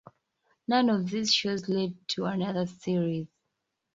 None of these shows led to another series.